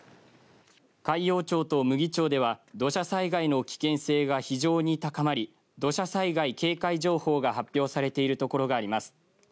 海陽町と牟岐町では土砂災害の危険性が非常に高まり土砂災害警戒情報が発表されている所があります。